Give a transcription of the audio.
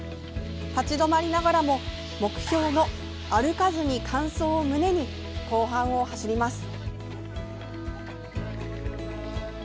立ち止まりながらも目標の「歩かずに完走」を胸に後半を走ります。